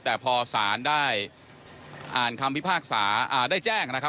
แต่พอศาลได้อ่านคำพิพากษาได้แจ้งนะครับ